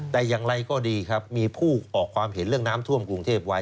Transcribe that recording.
แต่อย่างไรก็ดีครับมีผู้ออกความเห็นเรื่องน้ำท่วมกรุงเทพไว้